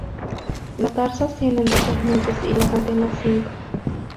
Los tarsos tienen dos segmentos y las antenas, cinco.